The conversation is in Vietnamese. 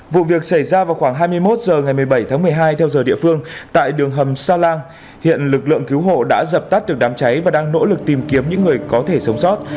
vụ việc xảy ra vào khoảng hai mươi một h ngày một mươi bảy tháng một mươi hai theo giờ địa phương tại đường hầm sa lan hiện lực lượng cứu hộ đã dập tắt được đám cháy và đang nỗ lực tìm kiếm những người có thể sống sót